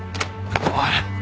おい！